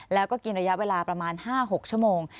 แล้วก็กินระยะเวลาประมาณ๕๖ชั่วโมง